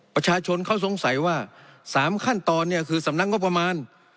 ประชาชนเขาสงสัยว่า๓ขั้นตอนเนี่ยคือสำนักงบประมาณ